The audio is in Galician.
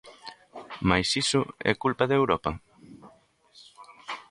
Mais iso é culpa de Europa?